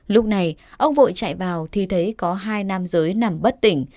lúc này ông vội chạy vào thì thấy có hai nam giới nằm bất tỉnh